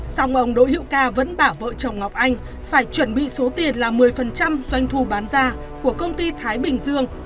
xong ông đỗ hữu ca vẫn bảo vợ chồng ngọc anh phải chuẩn bị số tiền là một mươi doanh thu bán ra của công ty thái bình dương